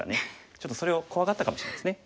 ちょっとそれを怖がったかもしれないですね。